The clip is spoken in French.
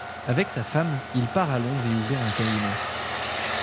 Avec sa femme, il part à Londres y ouvrir un cabinet.